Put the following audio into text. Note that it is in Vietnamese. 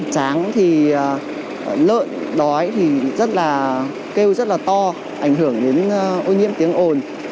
tráng thì lợn đói thì rất là kêu rất là to ảnh hưởng đến ô nhiễm tiếng ồn